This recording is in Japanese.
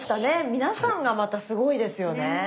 皆さんがまたすごいですよね。